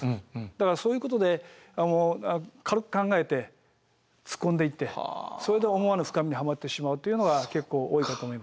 だからそういうことで軽く考えて突っ込んでいってそれで思わぬ深みにはまってしまうというのが結構多いかと思います。